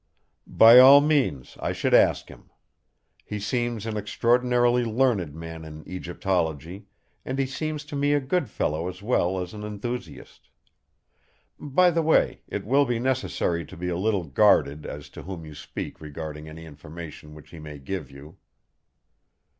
"By all means I should ask him. He seems an extraordinarily learned man in Egyptology; and he seems to me a good fellow as well as an enthusiast. By the way, it will be necessary to be a little guarded as to whom you speak regarding any information which he may give you."